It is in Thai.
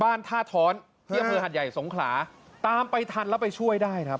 บ้านท่าถ้อนเฮียเผลอหัดใหญ่สงข้าตามไปทันแล้วไปช่วยได้น่ะ